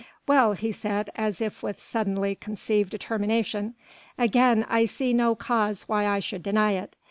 "Well," he said as if with suddenly conceived determination, "again I see no cause why I should deny it.